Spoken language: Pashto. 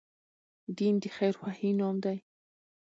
دين د خير خواهي نوم دی